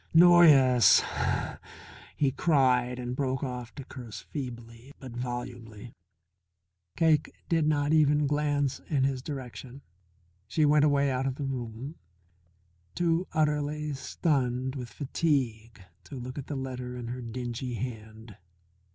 "Noyes " he cried and broke off to curse feebly but volubly. Cake did not even glance in his direction. She went away out of the room, too utterly stunned with fatigue to look at the letter in her dingy hand.